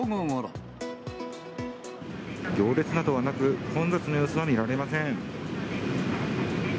行列などはなく、混雑の様子は見られません。